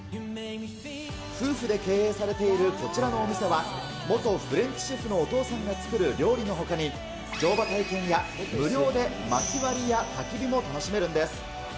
夫婦で経営されているこちらのお店は、元フレンチシェフのお父さんが作る料理のほかに、乗馬体験や無料でまき割りやたき火も楽しめるんです。